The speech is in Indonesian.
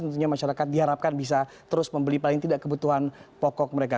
tentunya masyarakat diharapkan bisa terus membeli paling tidak kebutuhan pokok mereka